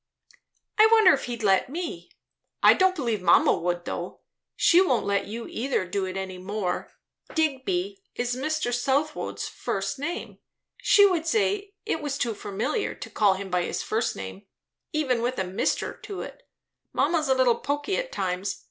"I wonder if he'd let me? I don't believe mamma would, though. She won't let you either do it any more. Digby is Mr. Southwode's first name. She would say it was too familiar, to call him by his first name, even with a 'Mr.' to it. Mamma's a little poky at times.